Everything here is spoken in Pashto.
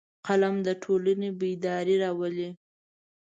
قلم د ټولنې بیداري راولي